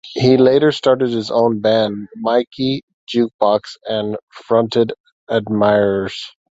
He later started his own band, Mikey Jukebox, and fronted Admirers.